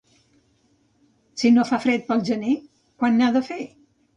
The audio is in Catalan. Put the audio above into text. Si no fa fred pel gener, quan n'ha de fer?